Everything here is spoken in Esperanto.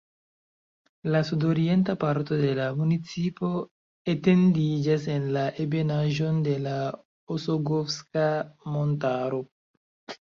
La sudorienta parto de la municipo etendiĝas en la ebenaĵon de la Osogovska Montaro.